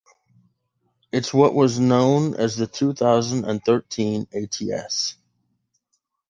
It’s what was known as the two thousand and thirteen ATS.